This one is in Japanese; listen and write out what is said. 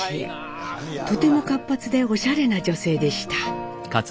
とても活発でおしゃれな女性でした。